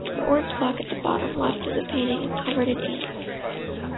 The orange clock at the bottom left of the painting is covered in ants.